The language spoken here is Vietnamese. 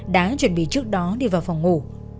đáng chuẩn bị trước đó đi vào phòng ngủ